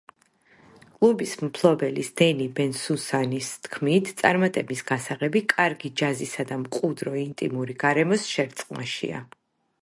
კლუბის მფლობელის დენი ბენსუსანის თქმით, წარმატების გასაღები კარგი ჯაზისა და მყუდრო, ინტიმური გარემოს შერწყმაშია.